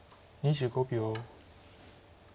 ２５秒。